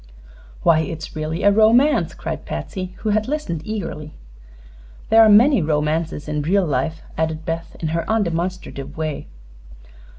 "Why, it's really a romance!" cried Patsy, who had listened eagerly. "There are many romances in real life," added Beth, in her undemonstrative way.